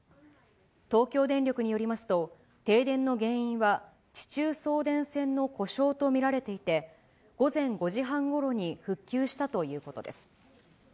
東京電力によりますと、停電の原因は地中送電線の故障と見られていて、午前５時半ごろに復旧したということです。